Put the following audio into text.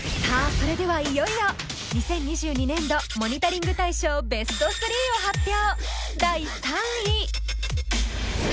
それではいよいよ２０２２年度モニタリング大賞ベスト３を発表！